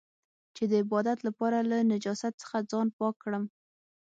چې د عبادت لپاره له نجاست څخه ځان پاک کړم.